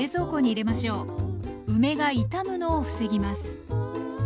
梅が傷むのを防ぎます